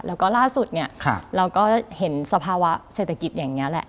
แล้วก็ล่าสุดเนี่ยเราก็เห็นสภาวะเศรษฐกิจอย่างนี้แหละ